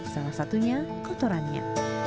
salah satunya kotorannya